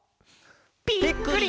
「ぴっくり！